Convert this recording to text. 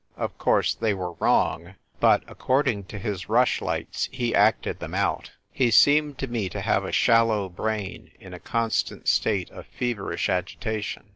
Of course, they were wrong ; but, according to his rush lights, he acted them out. He seemed to me to have a shallow brain, m a constant state of feverish agitation.